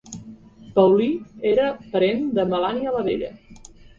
Paulí era parent de Melania la Vella.